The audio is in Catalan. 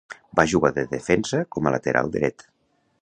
Va jugar de defensa com a lateral dret.